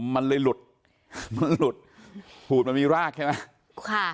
มันเลยหลุดมันหลุดหูดมันมีรากใช่ไหมค่ะ